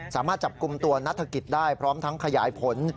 สามารถจับกลุ่มตัวนัฐกิจได้พร้อมทั้งขยายผล